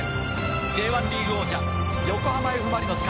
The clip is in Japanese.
Ｊ１リーグ王者、横浜Ｆ・マリノスか。